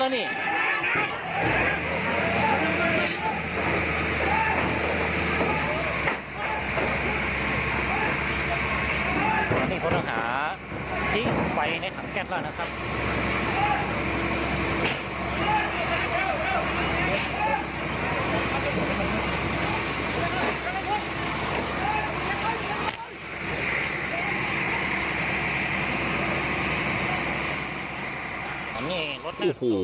โอ้โหนี่อันตรายมากนะคะ